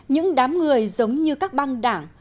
những đám người giống như các băng đảng